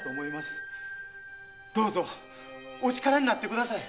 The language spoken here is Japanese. どうぞお力になってください。